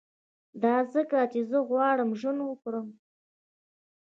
دا ځکه چي زه غواړم ژوند وکړم